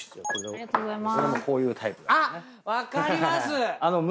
ありがとうございます。